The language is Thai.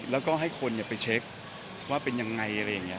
แล้วก็ให้คนไปเช็คว่าเป็นยังไงอะไรอย่างนี้